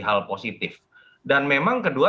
hal positif dan memang kedua